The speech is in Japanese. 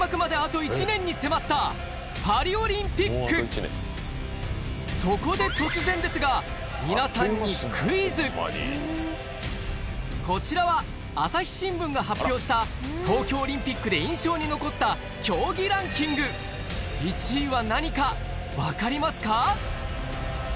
いよいよそこで突然ですがこちらは朝日新聞が発表した東京オリンピックで印象に残った競技ランキング１位は何か分かりますか？